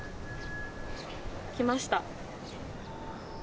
来ました。